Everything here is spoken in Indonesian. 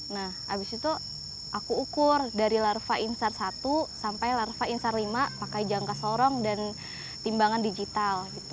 nah abis itu aku ukur dari larva insard satu sampai larva insar lima pakai jangka sorong dan timbangan digital